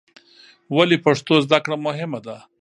ولې پښتو زده کړه مهمه ده؟